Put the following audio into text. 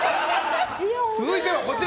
続いてはこちら。